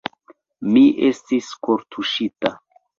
Mi estis kortuŝita.